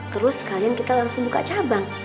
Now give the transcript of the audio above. terus sekalian kita langsung buka cabang